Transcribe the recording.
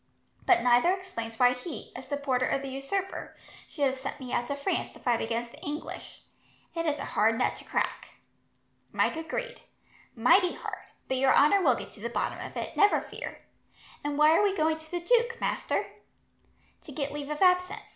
But neither explains why he, a supporter of the usurper, should have sent me out to France to fight against the English. It is a hard nut to crack." Mike agreed. "Mighty hard; but your honour will get to the bottom of it, never fear. And why are we going to the duke, master?" "To get leave of absence.